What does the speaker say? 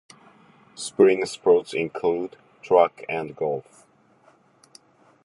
Spring sports include track and golf.